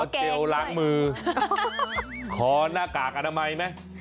เจลล้างมือขอหน้ากากอนามัยไหม